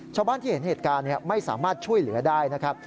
ชาวบ้านที่เห็นเหตุการณ์ไม่สามารถช่วยเหลือได้นะครับ